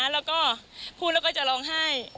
แล้วก็พูดแล้วก็จะร้องไห้